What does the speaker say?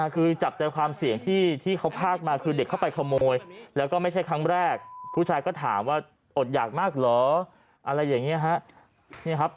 คือจับใจความเสี่ยงที่เขาพากมาคือเด็กเข้าไปขโมยแล้วก็ไม่ใช่ครั้งแรกผู้ชายก็ถามว่าอดอยากมากเหรออะไรอย่างนี้ครับ